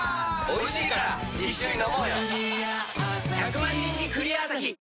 １００万人に「クリアアサヒ」